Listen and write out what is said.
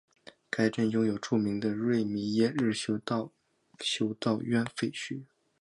该镇拥有著名的瑞米耶日修道院废墟。